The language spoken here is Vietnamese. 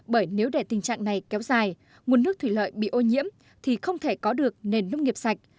bởi nếu để tình trạng này kéo dài nguồn nước thủy lợi bị ô nhiễm thì không thể có được nền nông nghiệp sạch